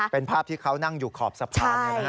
เป็นภาพที่เขานั่งอยู่ขอบสะพาน